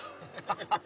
ハハハ。